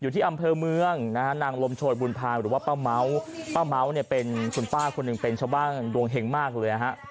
ที่มาว่ายตรงนี้